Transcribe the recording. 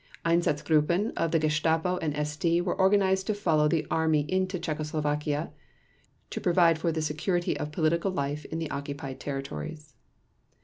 Einsatzgruppen of the Gestapo and SD were organized to follow the Army into Czechoslovakia to provide for the security of political life in the occupied territories.